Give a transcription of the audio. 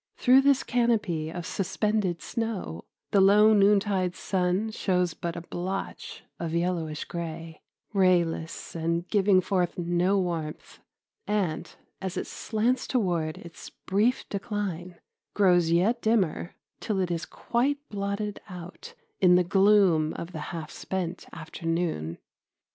Through this canopy of suspended snow the low noontide sun shows but a blotch of yellowish gray, rayless and giving forth no warmth, and, as it slants toward its brief decline, grows yet dimmer till it is quite blotted out in the gloom of the half spent afternoon.